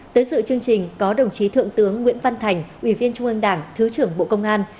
tới dự chương trình có đồng chí thượng tướng nguyễn văn thành ủy viên trung ương đảng thứ trưởng bộ công an